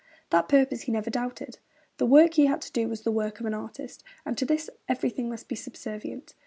That purpose he never doubted. The work he had to do was the work of an artist, and to this everything must be subservient.